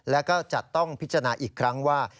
แล้วก็จะต้องพิจารณาอีกครั้งว่า